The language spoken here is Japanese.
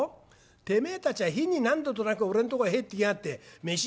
てめえたちは日に何度となく俺んとこへ入ってきやがって『飯食うから湯くれ茶くれ。